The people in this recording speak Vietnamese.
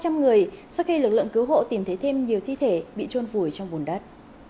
có hơn hai trăm linh người sau khi lực lượng cứu hộ tìm thấy thêm nhiều thi thể bị trôn vùi trong vùng đất